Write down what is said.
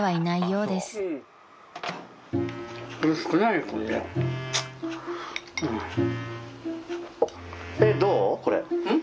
うん？